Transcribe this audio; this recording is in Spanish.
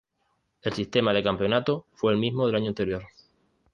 El sistema de campeonato fue el mismo del año anterior.